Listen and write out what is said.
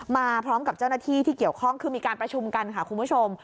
มาพร้อมกับเจ้าหน้าที่ที่เกี่ยวข้องคือมีการประชุมกันค่ะคุณผู้ชม